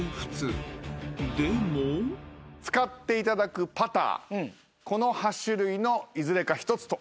［でも］使っていただくパターこの８種類のいずれか１つということになります。